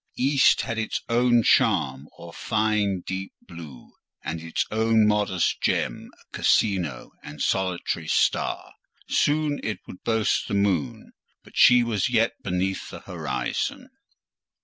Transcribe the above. The east had its own charm or fine deep blue, and its own modest gem, a rising and solitary star: soon it would boast the moon; but she was yet beneath the horizon.